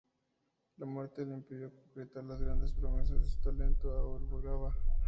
La muerte le impidió concretar las grandes promesas que su talento auguraba.